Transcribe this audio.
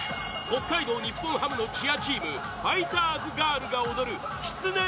北海道日本ハムのチアチームファイターズガールが踊るきつね